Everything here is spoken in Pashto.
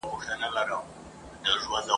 او تر نني ورځي پوري !.